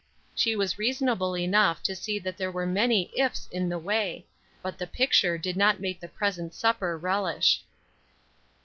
She was reasonable enough to see that there were many ifs in the way, but the picture did not make the present supper relish.